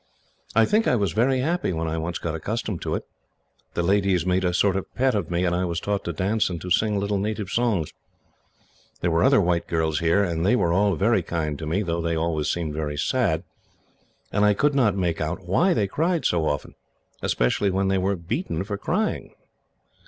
I think I was very happy, when I once got accustomed to it. The ladies made a sort of pet of me, and I was taught to dance and to sing little native songs. There were other white girls here, and they were all very kind to me, though they always seemed very sad, and I could not make out why they cried so often, especially when they were beaten for crying.